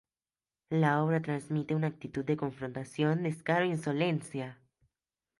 La obra transmite una actitud de confrontación, descaro e insolencia.